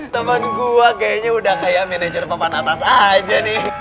temen gue kayaknya udah kayak manajer papan atas aja nih